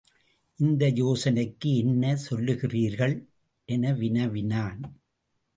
இந்த யோசனைக்கு என்ன சொல்லுகின்றீர்கள் என வினவினன்.